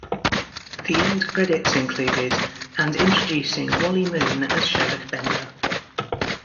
The end credits included: And Introducing Wally Moon as Sheriff Bender.